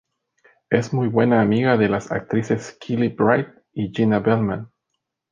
Es muy buena amiga de las actrices Kellie Bright y Gina Bellman.